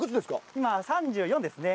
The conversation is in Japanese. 今３４ですね。